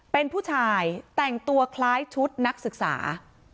เป็นผู้ชายแต่งตัวคล้ายชุดนักศึกษา